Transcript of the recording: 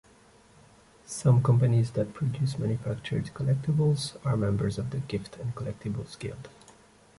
Some companies that produce manufactured collectables are members of The Gift and Collectibles Guild.